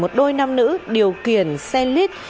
một đôi nam nữ điều khiển xe lít